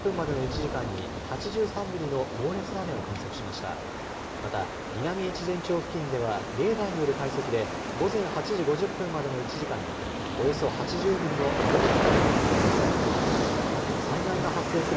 また南越前町付近ではレーダーによる解析で午前８時５０分までの１時間におよそ８０ミリの猛烈な雨が降ったと見られます。